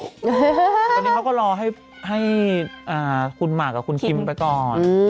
ตอนนี้เขาก็รอให้คุณหมากกับคุณคิมไปก่อน